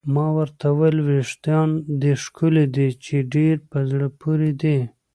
ما ورته وویل: وریښتان دې ښکلي دي، چې ډېر په زړه پورې دي.